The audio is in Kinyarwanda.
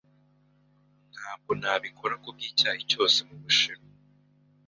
Ntabwo nabikora kubwicyayi cyose mubushinwa.